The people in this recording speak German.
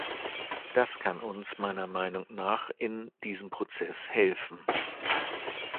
Das kann uns meiner Meinung nach in diesem Prozess helfen.